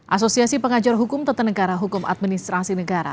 asosiasi pengajar hukum tata negara hukum administrasi negara